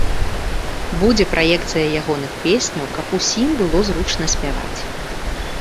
Будзе праекцыя ягоных песняў, каб усім было зручна спяваць.